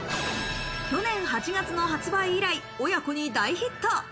去年８月の発売以来、親子に大ヒット。